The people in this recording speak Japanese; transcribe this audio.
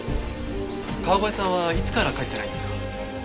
川越さんはいつから帰ってないんですか？